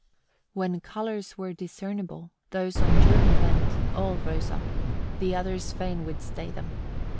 28. When colours were discernible, those on journey bent all rose up: the others fain would stay them.